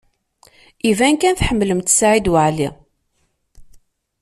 Iban kan tḥemmlemt Saɛid Waɛli.